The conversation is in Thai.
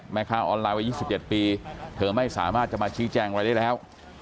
แม่ค้าออนไลน์วัย๒๗ปีเธอไม่สามารถจะมาชี้แจงอะไรได้แล้ว